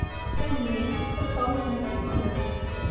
Teqqim din, tiṭṭawin-nnes qqnent.